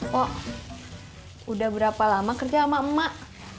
kok udah berapa lama kerja sama emak